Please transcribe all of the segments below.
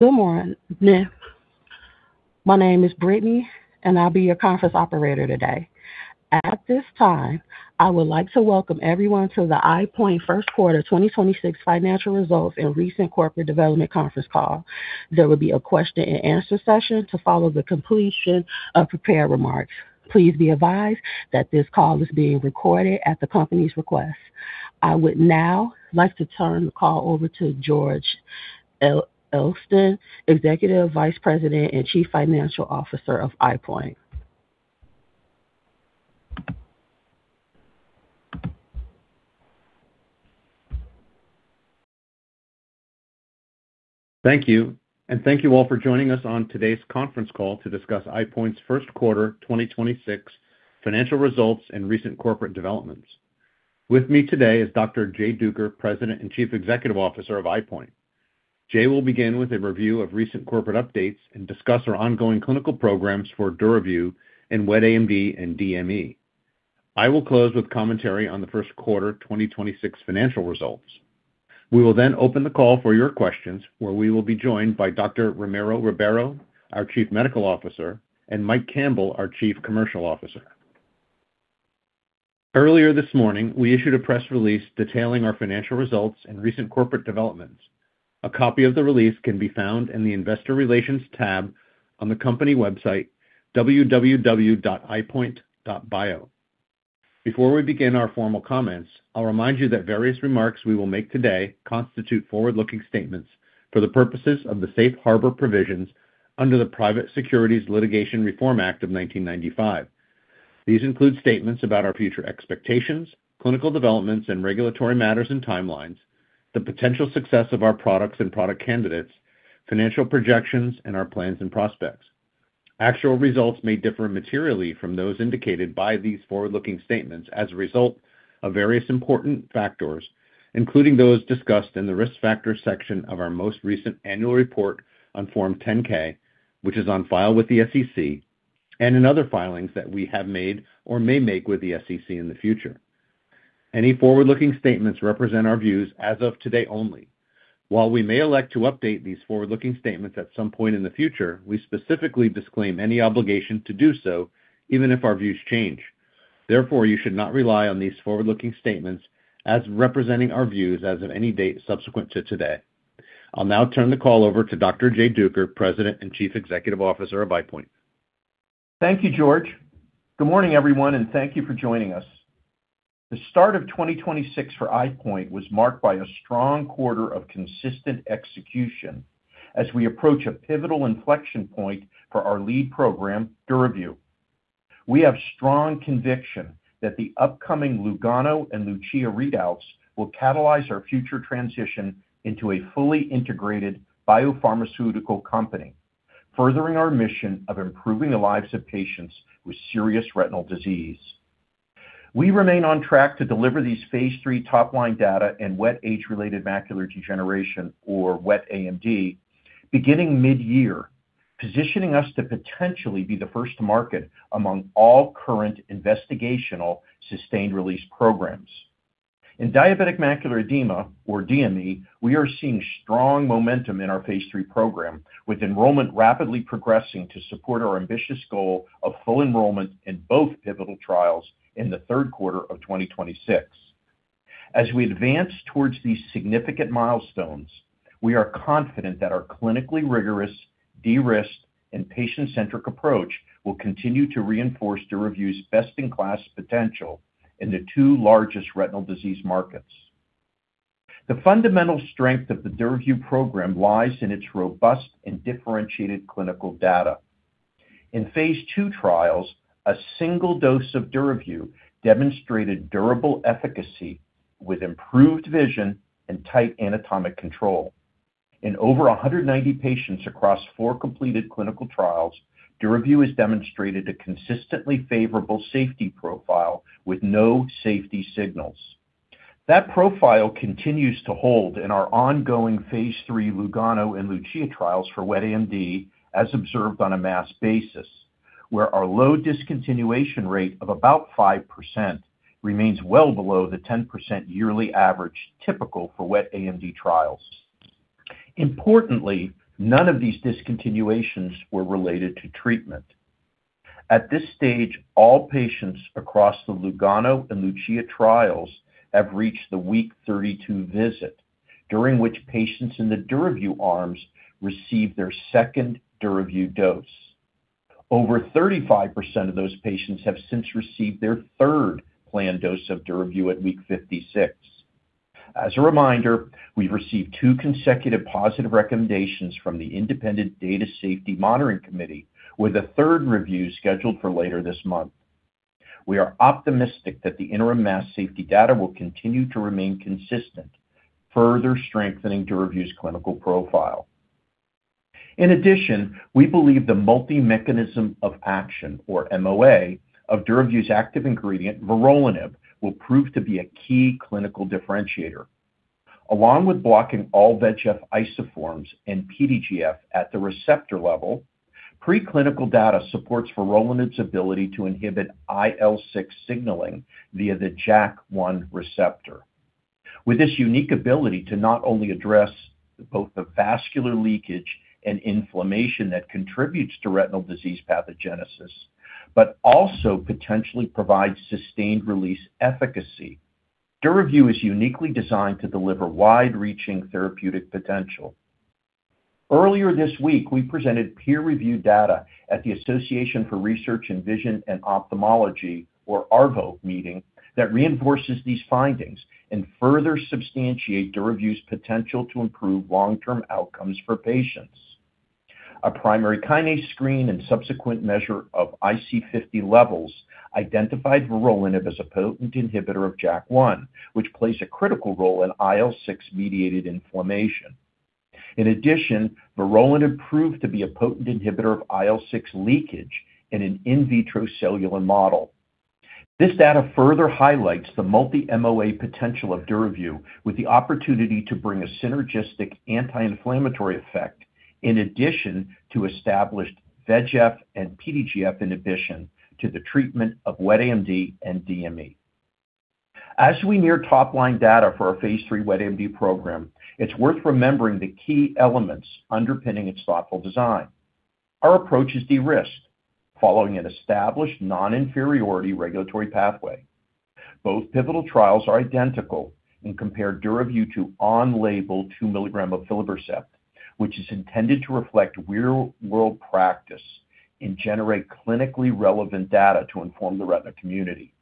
Good morning. My name is Brittany, and I'll be your conference operator today. At this time, I would like to welcome everyone to the EyePoint first quarter 2026 financial results and recent corporate development conference call. There will be a question and answer session to follow the completion of prepared remarks. Please be advised that this call is being recorded at the company's request. I would now like to turn the call over to George Elston, Executive Vice President and Chief Financial Officer of EyePoint. Thank you, and thank you all for joining us on today's conference call to discuss EyePoint's first quarter 2026 financial results and recent corporate developments. With me today is Dr. Jay Duker, President and Chief Executive Officer of EyePoint. Jay will begin with a review of recent corporate updates and discuss our ongoing clinical programs for DURAVYU and wet AMD and DME. I will close with commentary on the first quarter 2026 financial results. We will open the call for your questions, where we will be joined by Dr. Ramiro Ribeiro, our Chief Medical Officer, and Mike Campbell, our Chief Commercial Officer. Earlier this morning, we issued a press release detailing our financial results and recent corporate developments. A copy of the release can be found in the investor relations tab on the company website, www.eyepoint.bio. Before we begin our formal comments, I'll remind you that various remarks we will make today constitute forward-looking statements for the purposes of the Safe Harbor Provisions under the Private Securities Litigation Reform Act of 1995. These include statements about our future expectations, clinical developments and regulatory matters and timelines, the potential success of our products and product candidates, financial projections, and our plans and prospects. Actual results may differ materially from those indicated by these forward-looking statements as a result of various important factors, including those discussed in the Risk Factors section of our most recent annual report on Form 10-K, which is on file with the SEC, and in other filings that we have made or may make with the SEC in the future. Any forward-looking statements represent our views as of today only. While we may elect to update these forward-looking statements at some point in the future, we specifically disclaim any obligation to do so, even if our views change. Therefore, you should not rely on these forward-looking statements as representing our views as of any date subsequent to today. I'll now turn the call over to Dr. Jay Duker, President and Chief Executive Officer of EyePoint. Thank you, George. Good morning, everyone, and thank you for joining us. The start of 2026 for EyePoint was marked by a strong quarter of consistent execution as we approach a pivotal inflection point for our lead program, DURAVYU. We have strong conviction that the upcoming LUGANO and LUCIA readouts will catalyze our future transition into a fully integrated biopharmaceutical company, furthering our mission of improving the lives of patients with serious retinal disease. We remain on track to deliver these phase III top-line data in wet age-related macular degeneration, or wet AMD, beginning mid-year, positioning us to potentially be the first to market among all current investigational sustained release programs. In diabetic macular edema, or DME, we are seeing strong momentum in our phase III program, with enrollment rapidly progressing to support our ambitious goal of full enrollment in both pivotal trials in the third quarter of 2026. As we advance towards these significant milestones, we are confident that our clinically rigorous, de-risked, and patient-centric approach will continue to reinforce DURAVYU's best-in-class potential in the two largest retinal disease markets. The fundamental strength of the DURAVYU program lies in its robust and differentiated clinical data. In phase II trials, a single dose of DURAVYU demonstrated durable efficacy with improved vision and tight anatomic control. In over 190 patients across four completed clinical trials, DURAVYU has demonstrated a consistently favorable safety profile with no safety signals. That profile continues to hold in our ongoing phase III LUGANO and LUCIA trials for wet AMD as observed on a mass basis, where our low discontinuation rate of about 5% remains well below the 10% yearly average typical for wet AMD trials. None of these discontinuations were related to treatment. At this stage, all patients across the LUGANO and LUCIA trials have reached the week 32 visit, during which patients in the DURAVYU arms received their second DURAVYU dose. Over 35% of those patients have since received their third planned dose of DURAVYU at week 56. We've received two consecutive positive recommendations from the Independent Data and Safety Monitoring Committee, with a third review scheduled for later this month. We are optimistic that the interim mass safety data will continue to remain consistent, further strengthening DURAVYU's clinical profile. In addition, we believe the multi-mechanism of action, or MOA, of DURAVYU's active ingredient, vorolanib, will prove to be a key clinical differentiator. Along with blocking all VEGF isoforms and PDGF at the receptor level, preclinical data supports vorolanib's ability to inhibit IL-6 signaling via the JAK1 receptor. With this unique ability to not only address both the vascular leakage and inflammation that contributes to retinal disease pathogenesis, but also potentially provide sustained-release efficacy, DURAVYU is uniquely designed to deliver wide-reaching therapeutic potential. Earlier this week, we presented peer-reviewed data at the Association for Research in Vision and Ophthalmology, or ARVO meeting, that reinforces these findings and further substantiate DURAVYU's potential to improve long-term outcomes for patients. A primary kinase screen and subsequent measure of IC50 levels identified vorolanib as a potent inhibitor of JAK1, which plays a critical role in IL-6-mediated inflammation. In addition, vorolanib proved to be a potent inhibitor of IL-6 leakage in an in vitro cellular model. This data further highlights the multi-MOA potential of DURAVYU, with the opportunity to bring a synergistic anti-inflammatory effect in addition to established VEGF and PDGF inhibition to the treatment of wet AMD and DME. As we near top-line data for our phase III wet AMD program, it's worth remembering the key elements underpinning its thoughtful design. Our approach is de-risked following an established non-inferiority regulatory pathway. Both pivotal trials are identical and compare DURAVYU to on-label 2 mg aflibercept, which is intended to reflect real-world practice and generate clinically relevant data to inform the retina community.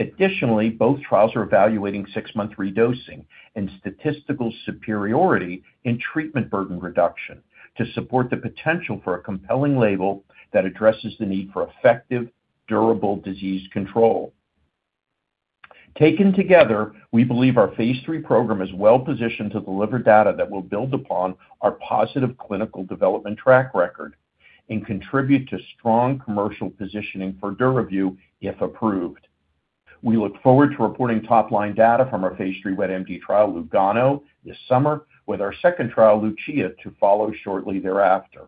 Additionally, both trials are evaluating six-month redosing and statistical superiority in treatment burden reduction to support the potential for a compelling label that addresses the need for effective, durable disease control. Taken together, we believe our phase III program is well-positioned to deliver data that will build upon our positive clinical development track record and contribute to strong commercial positioning for DURAVYU if approved. We look forward to reporting top-line data from our phase III wet AMD trial, LUGANO, this summer, with our second trial, LUCIA, to follow shortly thereafter.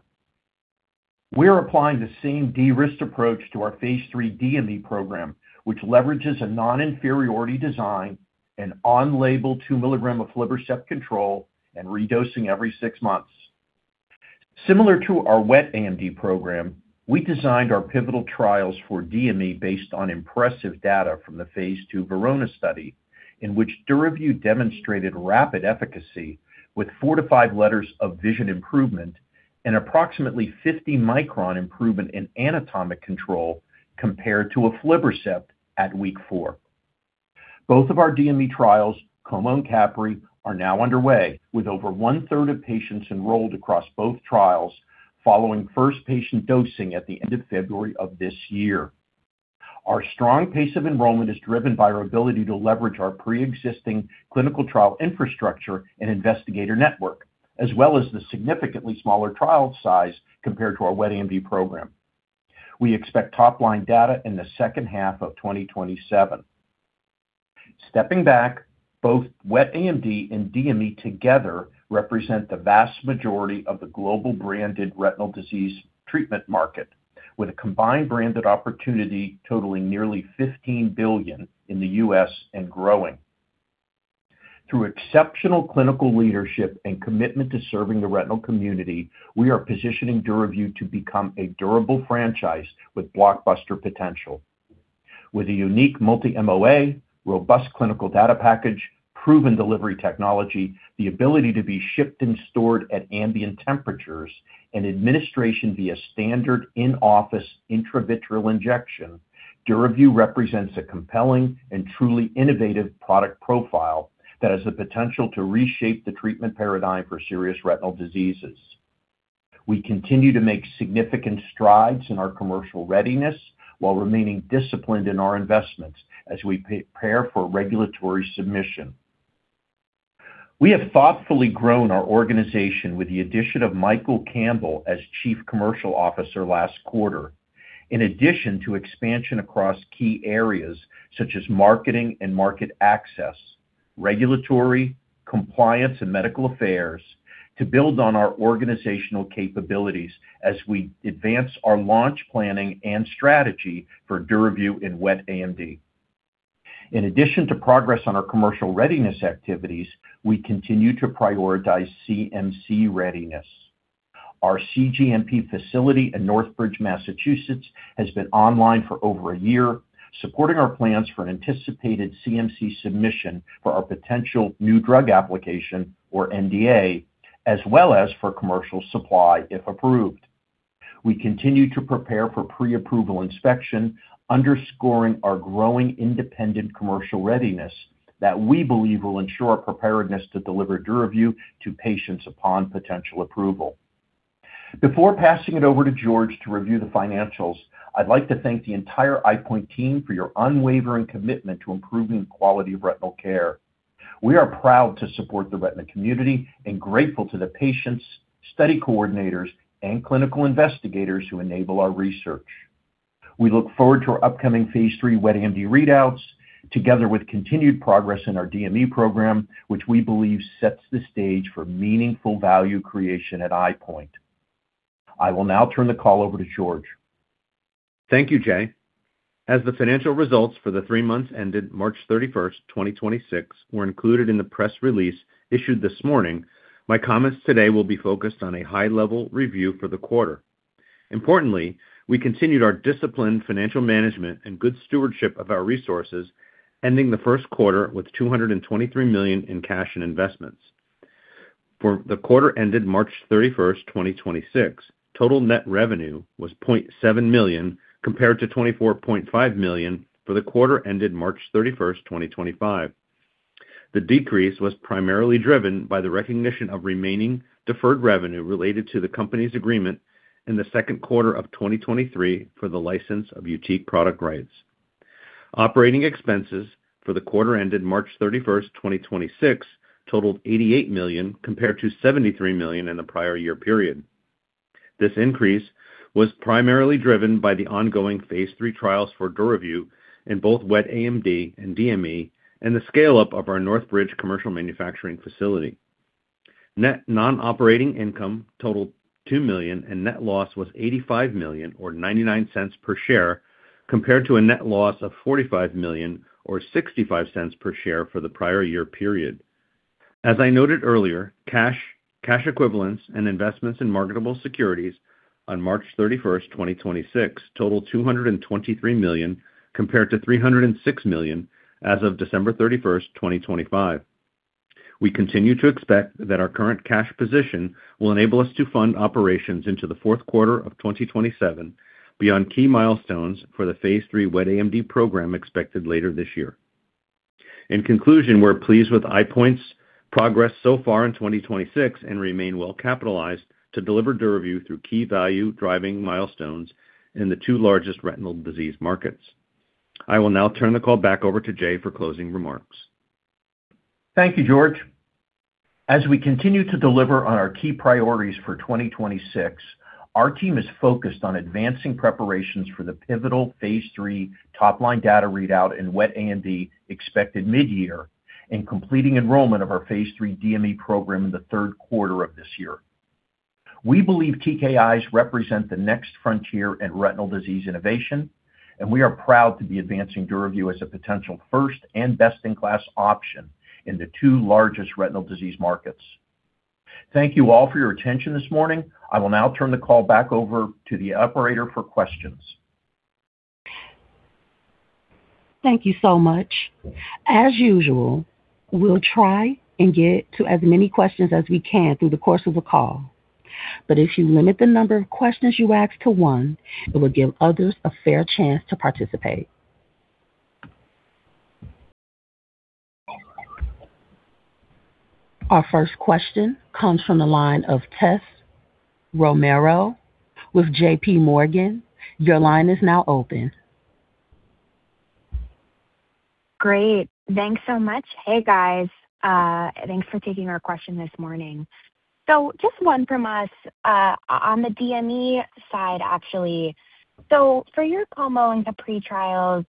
We are applying the same de-risked approach to our phase III DME program, which leverages a non-inferiority design, an on-label 2 mg aflibercept control, and redosing every six months. Similar to our wet AMD program, we designed our pivotal trials for DME based on impressive data from the phase II VERONA study, in which DURAVYU demonstrated rapid efficacy with four to five letters of vision improvement and approximately 50-micron improvement in anatomic control compared to aflibercept at week four. Both of our DME trials, COMO and CAPRI, are now underway, with over one-third of patients enrolled across both trials following first patient dosing at the end of February of this year. Our strong pace of enrollment is driven by our ability to leverage our preexisting clinical trial infrastructure and investigator network, as well as the significantly smaller trial size compared to our wet AMD program. We expect top-line data in the second half of 2027. Stepping back, both wet AMD and DME together represent the vast majority of the global branded retinal disease treatment market, with a combined branded opportunity totaling nearly $15 billion in the U.S. and growing. Through exceptional clinical leadership and commitment to serving the retinal community, we are positioning DURAVYU to become a durable franchise with blockbuster potential. With a unique multi-MOA, robust clinical data package, proven delivery technology, the ability to be shipped and stored at ambient temperatures, and administration via standard in-office intravitreal injection, DURAVYU represents a compelling and truly innovative product profile that has the potential to reshape the treatment paradigm for serious retinal diseases. We continue to make significant strides in our commercial readiness while remaining disciplined in our investments as we prepare for regulatory submission. We have thoughtfully grown our organization with the addition of Michael Campbell as Chief Commercial Officer last quarter. In addition to expansion across key areas such as marketing and market access, regulatory, compliance, and medical affairs to build on our organizational capabilities as we advance our launch planning and strategy for DURAVYU in wet AMD. In addition to progress on our commercial readiness activities, we continue to prioritize CMC readiness. Our cGMP facility in Northbridge, Massachusetts, has been online for over a year, supporting our plans for an anticipated CMC submission for our potential new drug application, or NDA, as well as for commercial supply if approved. We continue to prepare for pre-approval inspection, underscoring our growing independent commercial readiness that we believe will ensure our preparedness to deliver DURAVYU to patients upon potential approval. Before passing it over to George to review the financials, I'd like to thank the entire EyePoint team for your unwavering commitment to improving quality of retinal care. We are proud to support the retina community and grateful to the patients, study coordinators, and clinical investigators who enable our research. We look forward to our upcoming phase III wet AMD readouts, together with continued progress in our DME program, which we believe sets the stage for meaningful value creation at EyePoint. I will now turn the call over to George. Thank you, Jay. As the financial results for the three months ended March 31st, 2026 were included in the press release issued this morning, my comments today will be focused on a high-level review for the quarter. Importantly, we continued our disciplined financial management and good stewardship of our resources, ending the first quarter with $223 million in cash and investments. For the quarter ended March 31st, 2026, total net revenue was $0.7 million, compared to $24.5 million for the quarter ended March 31st, 2025. The decrease was primarily driven by the recognition of remaining deferred revenue related to the company's agreement in the second quarter of 2023 for the license of YUTIQ product rights. Operating expenses for the quarter ended March 31st, 2026 totaled $88 million, compared to $73 million in the prior year period. This increase was primarily driven by the ongoing phase III trials for DURAVYU in both wet AMD and DME and the scale-up of our Northbridge commercial manufacturing facility. Net non-operating income totaled $2 million. Net loss was $85 million or $0.99 per share, compared to a net loss of $45 million or $0.65 per share for the prior year period. As I noted earlier, cash equivalents, and investments in marketable securities on March 31st, 2026 totaled $223 million compared to $306 million as of December 31st, 2025. We continue to expect that our current cash position will enable us to fund operations into the fourth quarter of 2027 beyond key milestones for the phase III wet AMD program expected later this year. In conclusion, we're pleased with EyePoint's progress so far in 2026 and remain well-capitalized to deliver DURAVYU through key value-driving milestones in the two largest retinal disease markets. I will now turn the call back over to Jay for closing remarks. Thank you, George. As we continue to deliver on our key priorities for 2026, our team is focused on advancing preparations for the pivotal phase III top-line data readout in wet AMD expected mid-year and completing enrollment of our phase III DME program in the third quarter of this year. We believe TKIs represent the next frontier in retinal disease innovation, and we are proud to be advancing DURAVYU as a potential first and best-in-class option in the two largest retinal disease markets. Thank you all for your attention this morning. I will now turn the call back over to the operator for questions. Thank you so much. As usual, we'll try and get to as many questions as we can through the course of the call. If you limit the number of questions you ask to one, it will give others a fair chance to participate. Our first question comes from the line of Tess Romero with JPMorgan. Great. Thanks so much. Hey, guys. thanks for taking our question this morning. just one from us. on the DME side, actually. for your COMO in the pre-trials,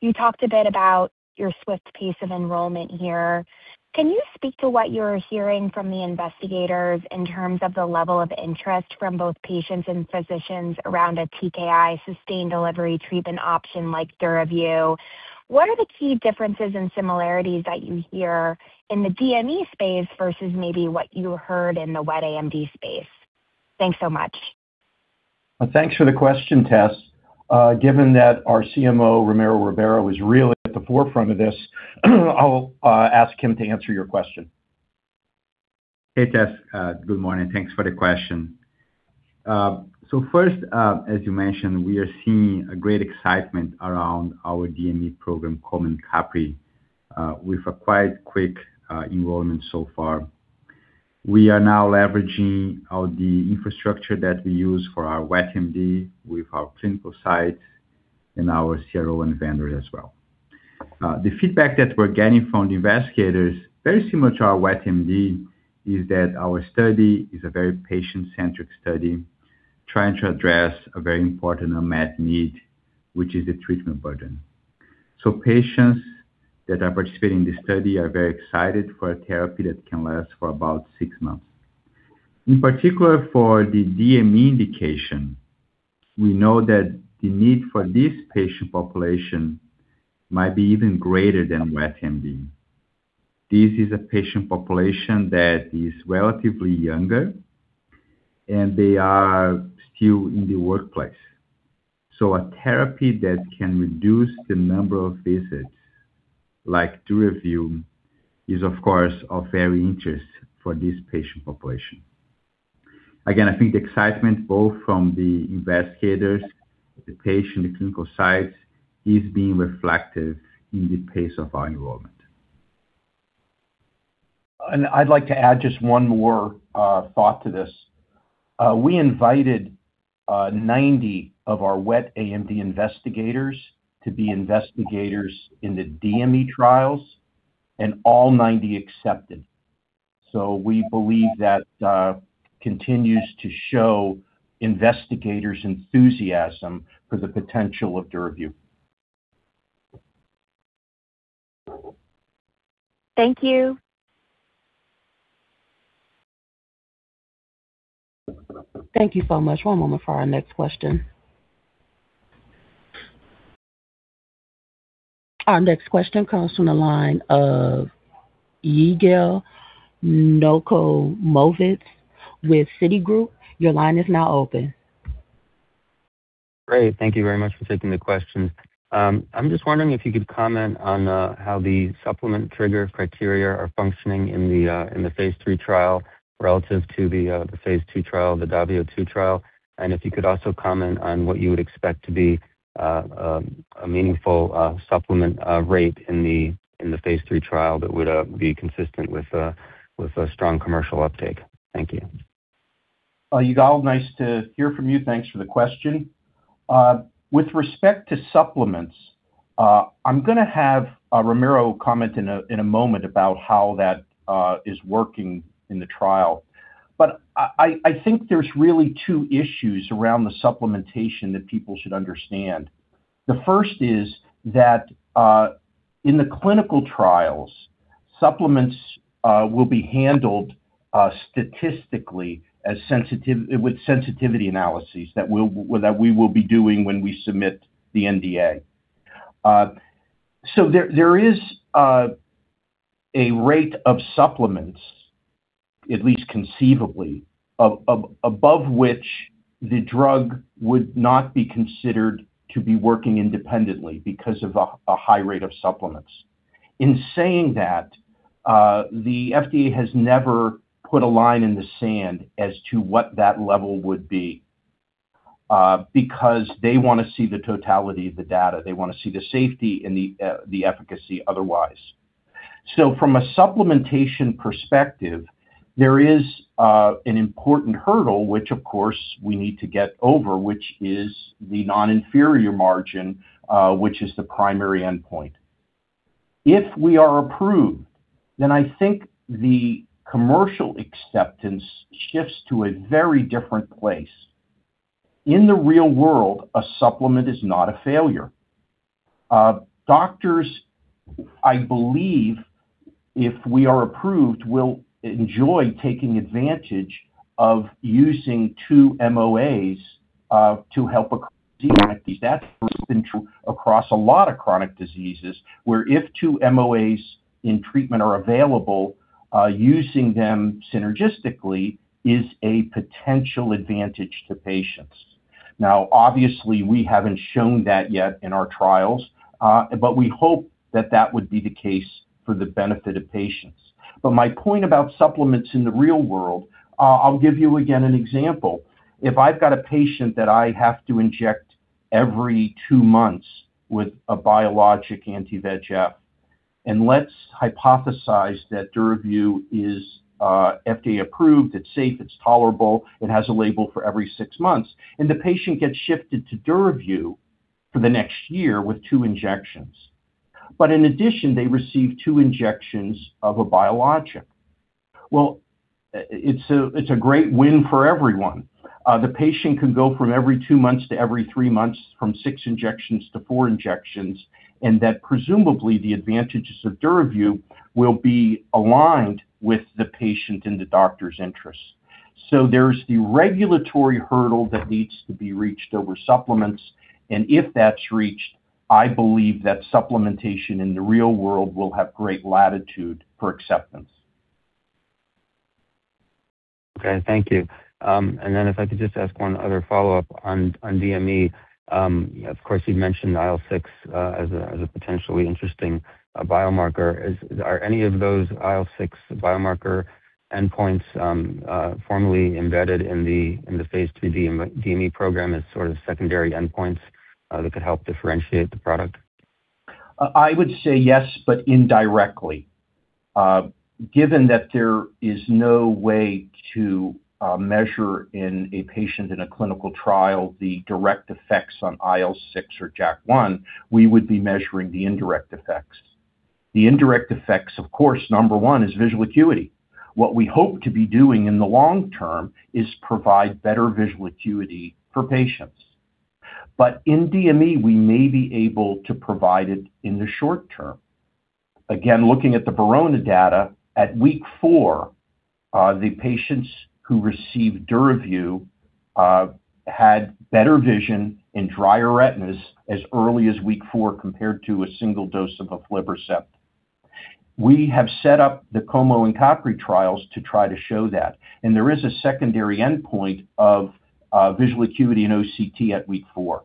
you talked a bit about your swift pace of enrollment here. Can you speak to what you're hearing from the investigators in terms of the level of interest from both patients and physicians around a TKI sustained delivery treatment option like DURAVYU? What are the key differences and similarities that you hear in the DME space versus maybe what you heard in the wet AMD space? Thanks so much. Thanks for the question, Tess. Given that our CMO, Ramiro Ribeiro, was really at the forefront of this, I'll ask him to answer your question. Hey, Tess. Good morning. Thanks for the question. First, as you mentioned, we are seeing great excitement around our DME program, COMO, CAPRI, with a quite quick enrollment so far. We are now leveraging all the infrastructure that we use for our wet AMD with our clinical sites and our CRO and vendor as well. The feedback that we're getting from the investigators, very similar to our wet AMD, is that our study is a very patient-centric study trying to address a very important unmet need, which is the treatment burden. Patients that are participating in this study are very excited for a therapy that can last for about six months. In particular, for the DME indication, we know that the need for this patient population might be even greater than wet AMD. This is a patient population that is relatively younger, and they are still in the workplace. A therapy that can reduce the number of visits like DURAVYU is, of course, of very interest for this patient population. Again, I think the excitement both from the investigators, the patient, the clinical sites, is being reflected in the pace of our enrollment. I'd like to add just one more thought to this. We invited 90 of our wet AMD investigators to be investigators in the DME trials, and all 90 accepted. We believe that continues to show investigators' enthusiasm for the potential of DURAVYU. Thank you. Thank you so much. One moment for our next question. Our next question comes from the line of Yigal Nochomovitz with Citigroup. Your line is now open. Great. Thank you very much for taking the questions. I'm just wondering if you could comment on how the supplement trigger criteria are functioning in the phase III trial relative to the phase II trial, the DAVIO 2 trial. If you could also comment on what you would expect to be a meaningful supplement rate in the phase III trial that would be consistent with a strong commercial uptake. Thank you. Yigal, nice to hear from you. Thanks for the question. With respect to supplements, I'm gonna have Ramiro comment in a moment about how that is working in the trial. I think there's really two issues around the supplementation that people should understand. The first is that in the clinical trials, supplements will be handled statistically with sensitivity analyses that we will be doing when we submit the NDA. There is a rate of supplements, at least conceivably, above which the drug would not be considered to be working independently because of a high rate of supplements. In saying that, the FDA has never put a line in the sand as to what that level would be, because they wanna see the totality of the data. They want to see the safety and the efficacy otherwise. From a supplementation perspective, there is an important hurdle, which of course we need to get over, which is the non-inferior margin, which is the primary endpoint. If we are approved, then I think the commercial acceptance shifts to a very different place. In the real world, a supplement is not a failure. Doctors, I believe, if we are approved, will enjoy taking advantage of using two MOAs. That has been true across a lot of chronic diseases, where if two MOAs in treatment are available, using them synergistically is a potential advantage to patients. Now, obviously we haven't shown that yet in our trials, but we hope that that would be the case for the benefit of patients. My point about supplements in the real world, I'll give you again an example. If I've got a patient that I have to inject every two months with a biologic anti-VEGF, and let's hypothesize that DURAVYU is FDA approved, it's safe, it's tolerable, it has a label for every six months, and the patient gets shifted to DURAVYU for the next year with two injections. In addition, they receive two injections of a biologic. Well, it's a great win for everyone. The patient can go from every two months to every three months, from six injections to four injections, and that presumably the advantages of DURAVYU will be aligned with the patient and the doctor's interests. There's the regulatory hurdle that needs to be reached over supplements, and if that's reached, I believe that supplementation in the real world will have great latitude for acceptance. Okay, thank you. Then if I could just ask one other follow-up on DME. Of course, you've mentioned IL-6 as a potentially interesting biomarker. Are any of those IL-6 biomarker endpoints formally embedded in the phase II DME program as sort of secondary endpoints that could help differentiate the product? I would say yes, but indirectly. Given that there is no way to measure in a patient in a clinical trial the direct effects on IL-6 or JAK1, we would be measuring the indirect effects. The indirect effects, of course, number one is visual acuity. What we hope to be doing in the long term is provide better visual acuity for patients. In DME, we may be able to provide it in the short term. Again, looking at the VERONA data, at week four, the patients who received DURAVYU had better vision and drier retinas as early as week four compared to a 1 dose of aflibercept. We have set up the COMO and CAPRI trials to try to show that, and there is a secondary endpoint of visual acuity and OCT at week four,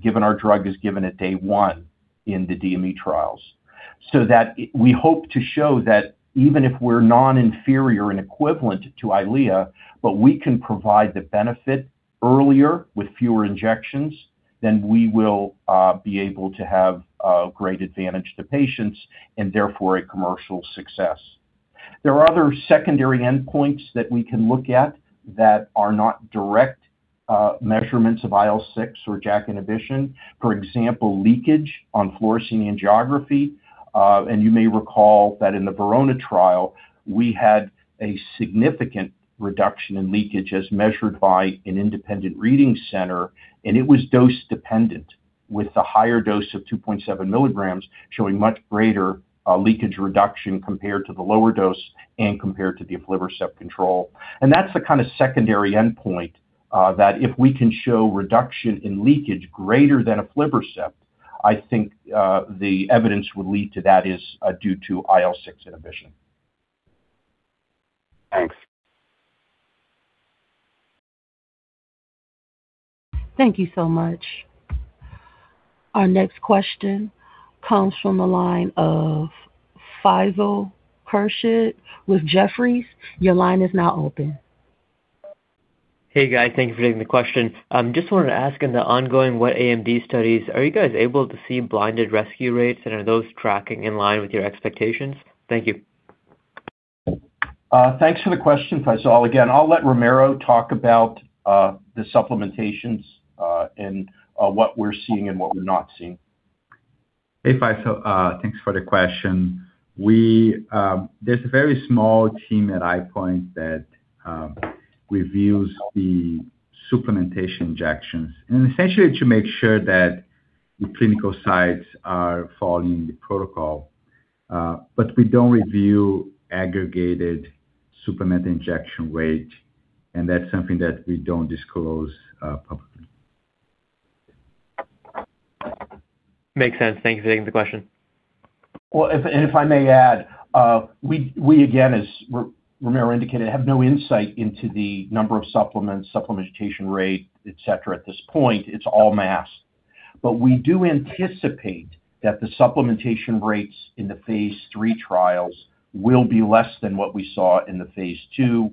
given our drug is given at day one in the DME trials. That we hope to show that even if we're non-inferior and equivalent to EYLEA, but we can provide the benefit earlier with fewer injections, then we will be able to have a great advantage to patients and therefore a commercial success. There are other secondary endpoints that we can look at that are not direct measurements of IL-6 or JAK inhibition. For example, leakage on fluorescein angiography. You may recall that in the VERONA trial, we had a significant reduction in leakage as measured by an independent reading center, and it was dose-dependent, with the higher dose of 2.7 mg showing much greater leakage reduction compared to the lower dose and compared to the aflibercept control. That's the kind of secondary endpoint that if we can show reduction in leakage greater than aflibercept, I think the evidence would lead to that is due to IL-6 inhibition. Thanks. Thank you so much. Our next question comes from the line of Faisal Khurshid with Jefferies. Your line is now open. Hey, guys. Thank you for taking the question. Just wanted to ask, in the ongoing wet AMD studies, are you guys able to see blinded rescue rates, and are those tracking in line with your expectations? Thank you. Thanks for the question, Faisal. Again, I'll let Ramiro talk about the supplementations and what we're seeing and what we're not seeing. Hey, Faisal. Thanks for the question. There's a very small team at EyePoint that reviews the supplementation injections, and essentially to make sure that the clinical sites are following the protocol. We don't review aggregated supplement injection rate, and that's something that we don't disclose publicly. Makes sense. Thank you for taking the question. Well, if I may add, we again, as Ramiro indicated, have no insight into the number of supplements, supplementation rate, et cetera, at this point. It's all masked. We do anticipate that the supplementation rates in the phase III trials will be less than what we saw in the phase II,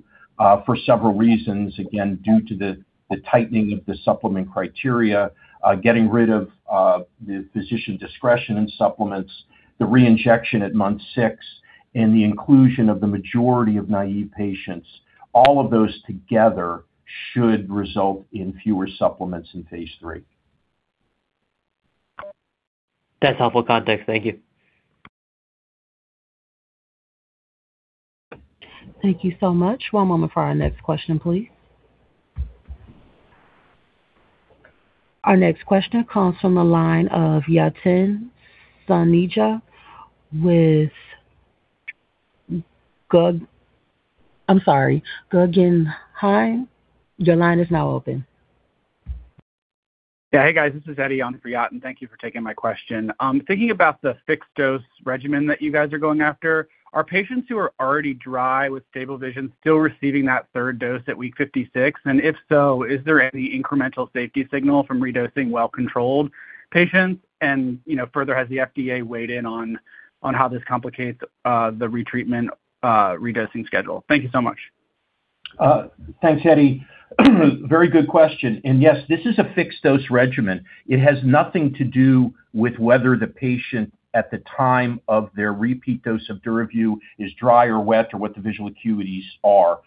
for several reasons, again, due to the tightening of the supplement criteria, getting rid of the physician discretion in supplements, the reinjection at month six, and the inclusion of the majority of naive patients. All of those together should result in fewer supplements in phase III. That's helpful context. Thank you. Thank you so much. One moment for our next question, please. Our next question comes from the line of Yatin Suneja with I'm sorry. Guggenheim. Your line is now open. Yeah. Hey, guys. This is Eddie on for Yatin. Thank you for taking my question. Thinking about the fixed-dose regimen that you guys are going after, are patients who are already dry with stable vision still receiving that third dose at week 56? If so, is there any incremental safety signal from redosing well-controlled patients? You know, further, has the FDA weighed in on how this complicates the retreatment redosing schedule? Thank you so much. Thanks, Eddie. Very good question. Yes, this is a fixed-dose regimen. It has nothing to do with whether the patient, at the time of their repeat dose of DURAVYU, is dry or wet or what the visual acuities are.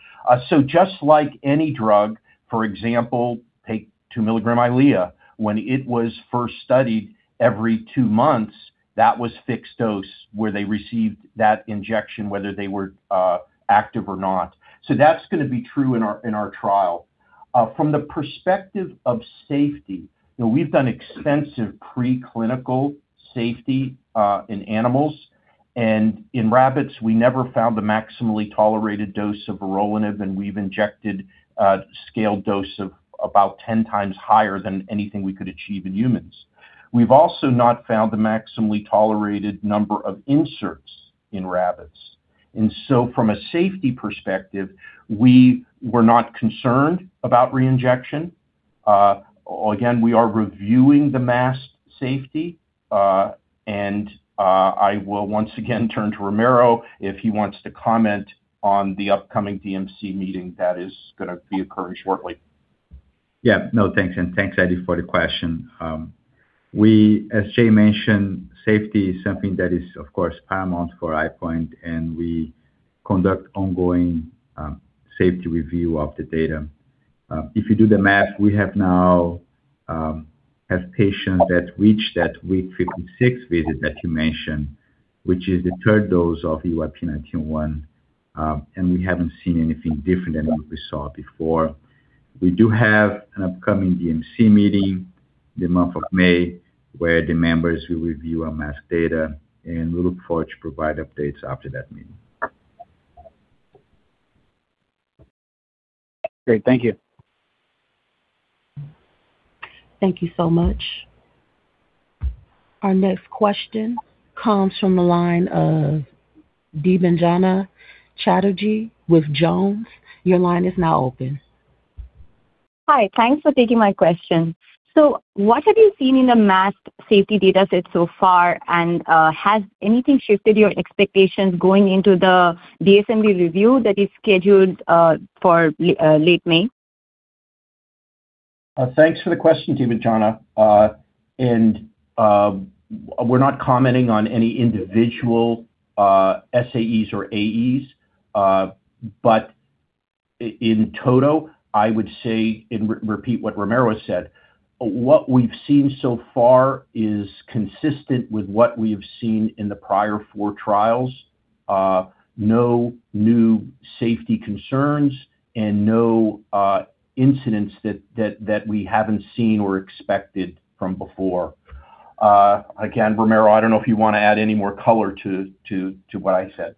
Just like any drug, for example, take 2 mg EYLEA, when it was first studied every two months, that was fixed dose, where they received that injection whether they were active or not. That's going to be true in our, in our trial. From the perspective of safety, you know, we've done extensive preclinical safety in animals. In rabbits, we never found the maximally tolerated dose of vorolanib, and we've injected a scaled dose of about 10 times higher than anything we could achieve in humans. We've also not found the maximally tolerated number of inserts in rabbits. From a safety perspective, we were not concerned about reinjection. Again, we are reviewing the masked safety. I will once again turn to Ramiro if he wants to comment on the upcoming DMC meeting that is gonna be occurring shortly. No, thanks, and thanks, Eddie, for the question. As Jay mentioned, safety is something that is, of course, paramount for EyePoint, and we conduct ongoing safety review of the data. If you do the math, we have now have patients that reached that week 56 visit that you mentioned, which is the third dose of EYP-1901, and we haven't seen anything different than what we saw before. We do have an upcoming DMC meeting the month of May, where the members will review our masked data. We look forward to provide updates after that meeting. Great. Thank you. Thank you so much. Our next question comes from the line of Debanjana Chatterjee with Jones Trading. Your line is now open. Hi. Thanks for taking my question. What have you seen in the masked safety data set so far? Has anything shifted your expectations going into the DSMB review that is scheduled for late May? Thanks for the question, Debanjana. We're not commenting on any individual SAEs or AEs. In total, I would say and repeat what Ramiro said, what we've seen so far is consistent with what we have seen in the prior four trials. No new safety concerns and no incidents that we haven't seen or expected from before. Again, Ramiro, I don't know if you wanna add any more color to what I said.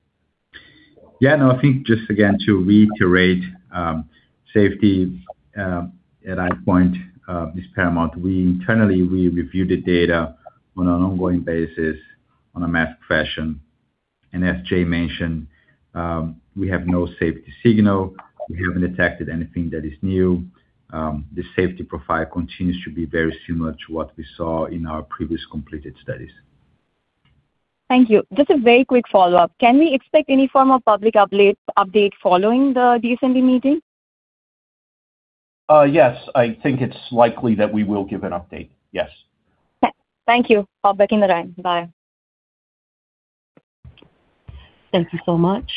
Yeah, no, I think just again to reiterate, safety, at EyePoint, is paramount. We internally, we review the data on an ongoing basis on a mass fashion. As Jay mentioned, we have no safety signal. We haven't detected anything that is new. The safety profile continues to be very similar to what we saw in our previous completed studies. Thank you. Just a very quick follow-up. Can we expect any form of public update following the DCMD meeting? Yes. I think it's likely that we will give an update. Yes. Thank you for taking the time. Bye. Thank you so much.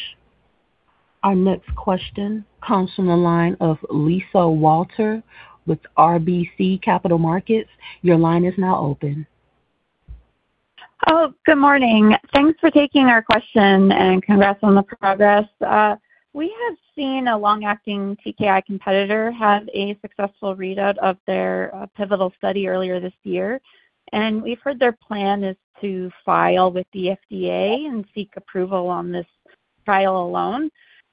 Our next question comes from the line of Lisa Walter with RBC Capital Markets. Your line is now open. Good morning. Thanks for taking our question, and congrats on the progress. We have seen a long-acting TKI competitor have a successful readout of their pivotal study earlier this year, and we've heard their plan is to file with the FDA and seek approval on this trial alone.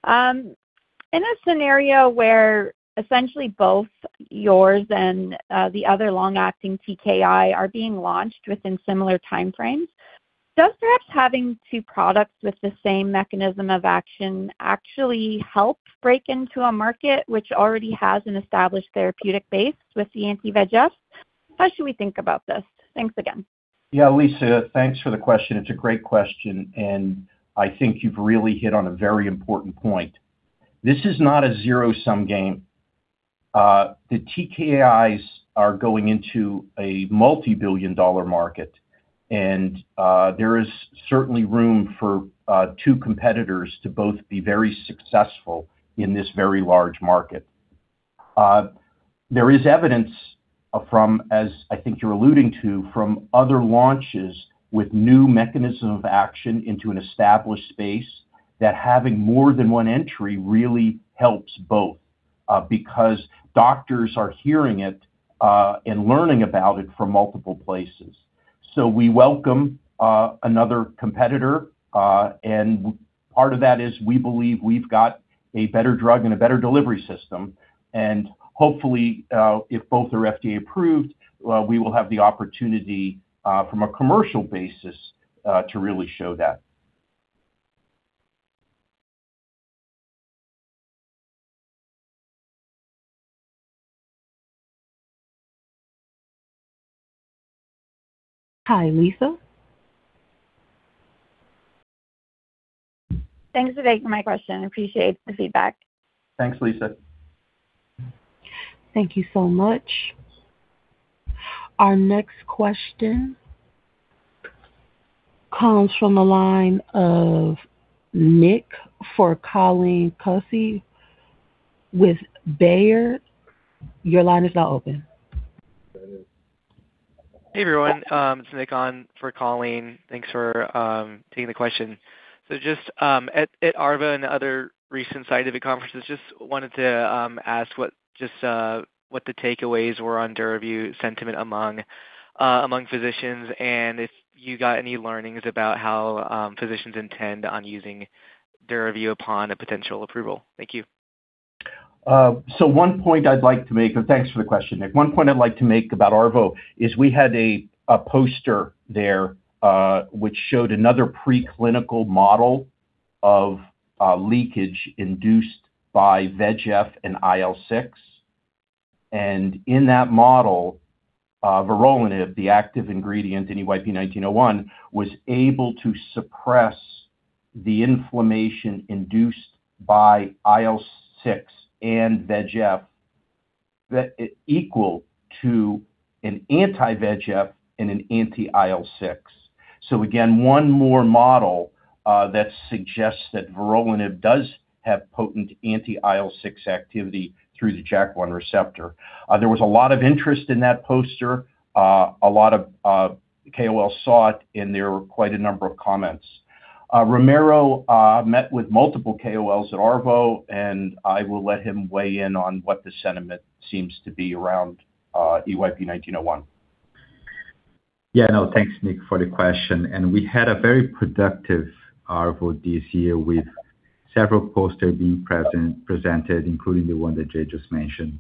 In a scenario where essentially both yours and the other long-acting TKI are being launched within similar time frames, does perhaps having two products with the same mechanism of action actually help break into a market which already has an established therapeutic base with the anti-VEGF? How should we think about this? Thanks again. Yeah, Lisa, thanks for the question. It's a great question, and I think you've really hit on a very important point. The TKIs are going into a multi-billion dollar market, and there is certainly room for two competitors to both be very successful in this very large market. There is evidence from, as I think you're alluding to, from other launches with new mechanism of action into an established space that having more than one entry really helps both because doctors are hearing it and learning about it from multiple places. We welcome another competitor, and part of that is we believe we've got a better drug and a better delivery system. Hopefully, if both are FDA approved, we will have the opportunity, from a commercial basis, to really show that. Hi, Lisa. Thanks for taking my question. Appreciate the feedback. Thanks, Lisa. Thank you so much. Our next question comes from the line of Nick for Colleen Kusy with Baird. Your line is now open. Hey, everyone. It's Nick on for Colleen. Thanks for taking the question. Just at ARVO and other recent scientific conferences, wanted to ask what the takeaways were on DURAVYU sentiment among physicians, and if you got any learnings about how physicians intend on using DURAVYU upon a potential approval. Thank you. One point I'd like to make, and thanks for the question, Nick. One point I'd like to make about ARVO is we had a poster there, which showed another preclinical model of leakage induced by VEGF and IL-6. In that model, vorolanib, the active ingredient in EYP-1901, was able to suppress the inflammation induced by IL-6 and VEGF that is equal to an anti-VEGF and an anti-IL-6. Again, one more model that suggests that vorolanib does have potent anti-IL-6 activity through the JAK1 receptor. There was a lot of interest in that poster. A lot of KOLs saw it, and there were quite a number of comments. Ramiro met with multiple KOLs at ARVO, and I will let him weigh in on what the sentiment seems to be around EYP-1901. Yeah, no, thanks, Nick, for the question. We had a very productive ARVO this year with several posters being presented, including the one that Jay just mentioned.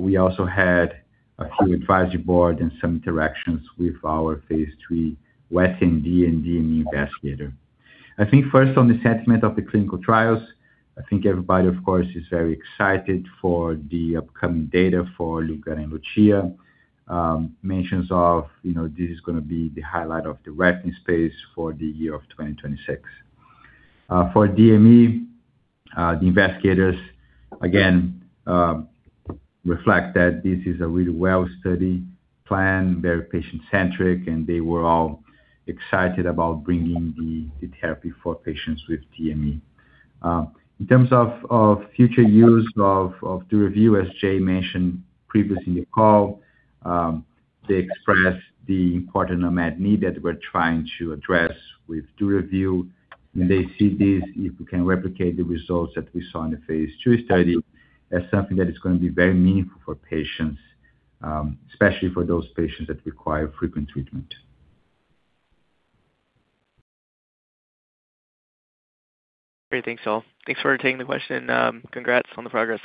We also had a few advisory board and some interactions with our phase III wet AMD and DME investigator. I think first on the sentiment of the clinical trials, I think everybody, of course, is very excited for the upcoming data for LUGANO and LUCIA. Mentions of, you know, this is gonna be the highlight of the retina space for the year of 2026. For DME, the investigators, again, reflect that this is a really well study plan, very patient-centric, and they were all excited about bringing the therapy for patients with DME. In terms of future use of DURAVYU, as Jay mentioned previously in the call, they expressed the important unmet need that we're trying to address with DURAVYU. They see this, if we can replicate the results that we saw in the phase II study, as something that is going to be very meaningful for patients, especially for those patients that require frequent treatment. Great. Thanks, all. Thanks for taking the question. Congrats on the progress.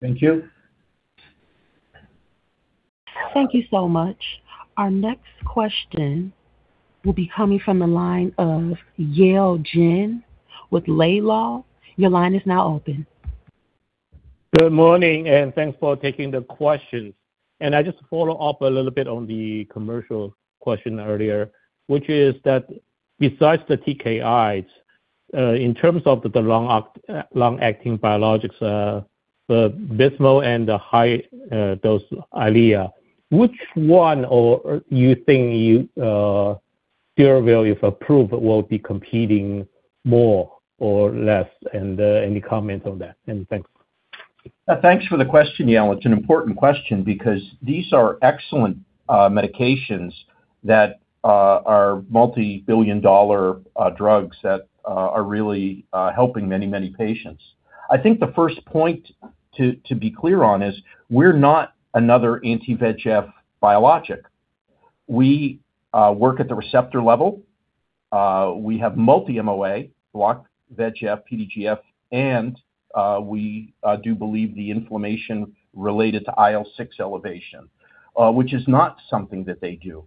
Thank you. Thank you so much. Our next question will be coming from the line of Yale Jen with Laidlaw. Your line is now open. Good morning. Thanks for taking the questions. I just follow up a little bit on the commercial question earlier, which is that besides the TKIs, in terms of the long-acting biologics, the VABYSMO and the high dose EYLEA, which one or you think you, DURAVYU, if approved, will be competing more or less? Any comment on that? Thanks. Thanks for the question, Yale. It's an important question because these are excellent medications that are multi-billion dollar drugs that are really helping many, many patients. I think the first point to be clear on is we're not another anti-VEGF biologic. We work at the receptor level. We have multi MOA, block VEGF, PDGF, and we do believe the inflammation related to IL-6 elevation, which is not something that they do.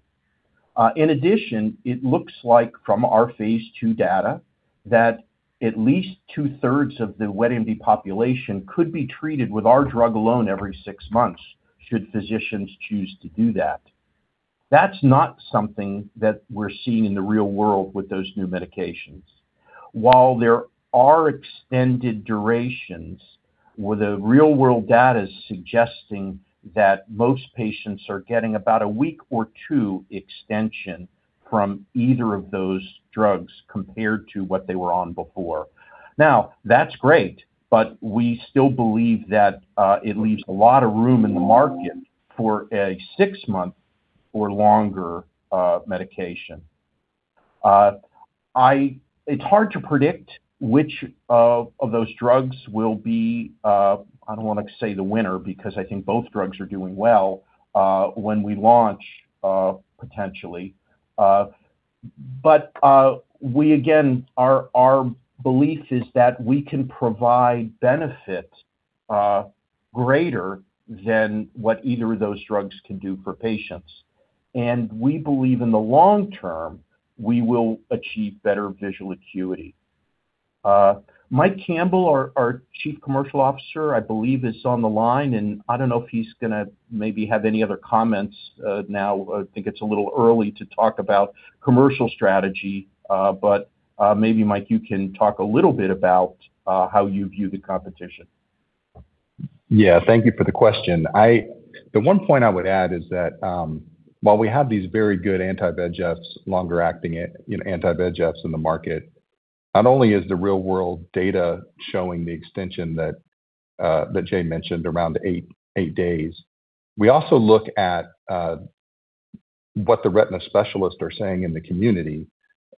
In addition, it looks like from our phase II data that at least two-thirds of the wet AMD population could be treated with our drug alone every six months, should physicians choose to do that. That's not something that we're seeing in the real world with those new medications. While there are extended durations where the real-world data is suggesting that most patients are getting about a week or two extension from either of those drugs compared to what they were on before. That's great, we still believe that it leaves a lot of room in the market for a six-month or longer medication. It's hard to predict which of those drugs will be, I don't want to say the winner because I think both drugs are doing well when we launch potentially. We again, our belief is that we can provide benefit greater than what either of those drugs can do for patients. We believe in the long term, we will achieve better visual acuity. Mike Campbell, our Chief Commercial Officer, I believe, is on the line, and I don't know if he's gonna maybe have any other comments. Now I think it's a little early to talk about commercial strategy, but maybe, Mike, you can talk a little bit about how you view the competition. Yeah. Thank you for the question. The one point I would add is that, while we have these very good anti-VEGFs, longer-acting, you know, anti-VEGFs in the market, not only is the real-world data showing the extension that Jay mentioned around eight days, we also look at what the retina specialists are saying in the community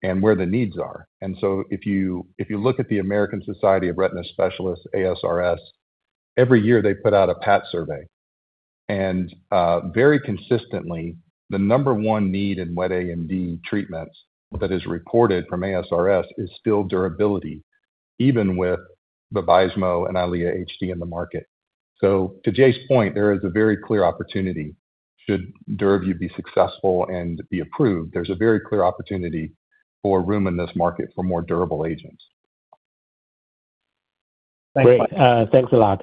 and where the needs are. If you look at the American Society of Retina Specialists, ASRS, every year, they put out a PAT survey. Very consistently, the number one need in wet AMD treatments that is reported from ASRS is still durability, even with the VABYSMO and EYLEA HD in the market. To Jay's point, there is a very clear opportunity should DURAVYU be successful and be approved. There's a very clear opportunity for room in this market for more durable agents. Thanks. Thanks a lot.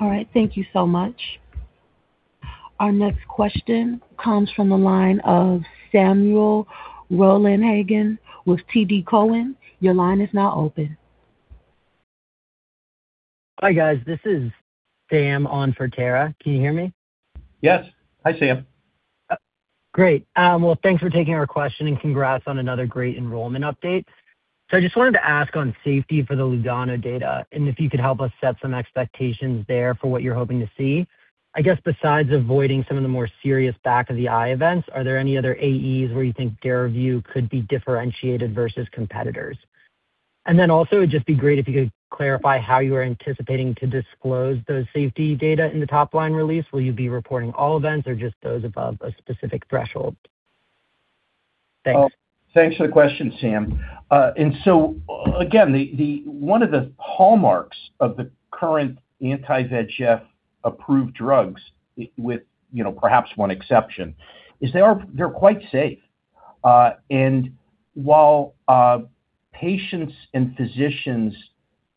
All right. Thank you so much. Our next question comes from the line of Samuel Rollenhagen with TD Cowen. Your line is now open. Hi, guys. This is Sam on for Tara. Can you hear me? Yes. Hi, Sam. Great. Well, thanks for taking our question, and congrats on another great enrollment update. I just wanted to ask on safety for the LUGANO data and if you could help us set some expectations there for what you're hoping to see. I guess besides avoiding some of the more serious back of the eye events, are there any other AEs where you think DURAVYU could be differentiated versus competitors? Then also it'd just be great if you could clarify how you are anticipating to disclose those safety data in the top line release. Will you be reporting all events or just those above a specific threshold? Thanks. Thanks for the question, Sam. Again, one of the hallmarks of the current anti-VEGF approved drugs with, you know, perhaps one exception, is they're quite safe. While patients and physicians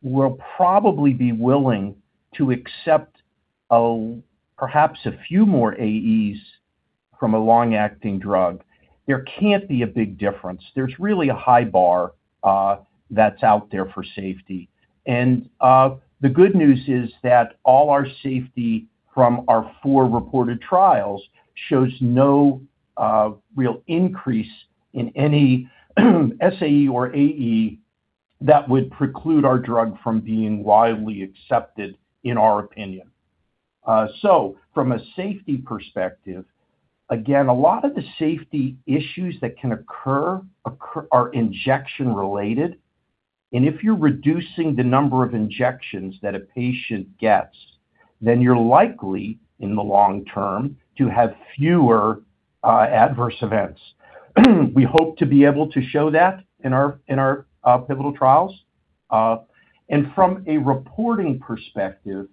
will probably be willing to accept perhaps a few more AEs from a long-acting drug, there can't be a big difference. There's really a high bar that's out there for safety. The good news is that all our safety from our four reported trials shows no real increase in any SAE or AE that would preclude our drug from being widely accepted, in our opinion. From a safety perspective, again, a lot of the safety issues that can occur are injection-related. If you're reducing the number of injections that a patient gets, then you're likely, in the long term, to have fewer adverse events. We hope to be able to show that in our pivotal trials. From a reporting perspective,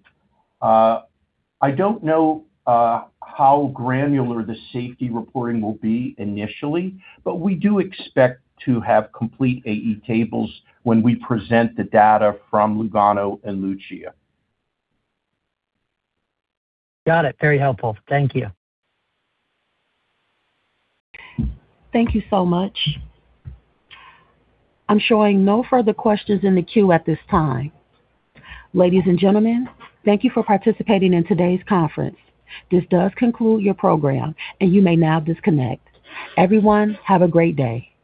I don't know how granular the safety reporting will be initially, but we do expect to have complete AE tables when we present the data from LUGANO and LUCIA. Got it. Very helpful. Thank you. Thank you so much. I'm showing no further questions in the queue at this time. Ladies and gentlemen, thank you for participating in today's conference. This does conclude your program, and you may now disconnect. Everyone, have a great day.